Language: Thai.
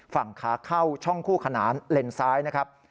ฝั่งขาเข้าช่องคู่ขนานเลนซ้ายนะครับ